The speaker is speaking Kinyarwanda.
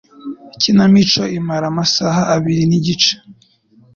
Ikinamico imara amasaha abiri nigice.